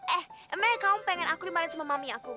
eh emangnya kamu pengen aku dimarahi sama mami aku